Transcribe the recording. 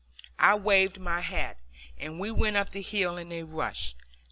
I waved my hat, and we went up the hill with a rush.